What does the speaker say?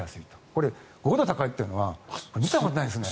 これ、５度高いというのは見たことないですね。